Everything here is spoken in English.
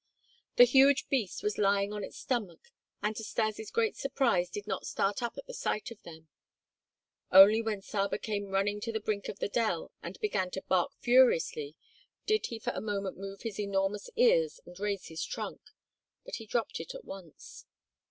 The huge beast was lying on its stomach and to Stas' great surprise did not start up at the sight of them. Only when Saba came running to the brink of the dell and began to bark furiously did he for a moment move his enormous ears and raise his trunk, but he dropped it at once.